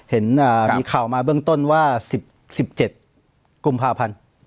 เห็นอ่ามีข่าวมาเบื้องต้นว่าสิบสิบเจ็ดกุมภาพันธุ์